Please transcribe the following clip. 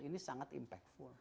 ini sangat berpengaruh